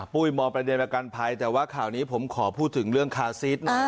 ปุ้ยมองประเด็นประกันภัยแต่ว่าข่าวนี้ผมขอพูดถึงเรื่องคาซิสนะ